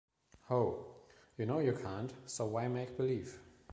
Ho, you know you can't, so why make believe?